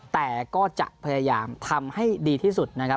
แต่ก็จะพยายามทำให้ดีที่สุดนะครับ